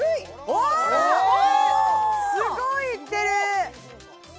わあすごいいってる！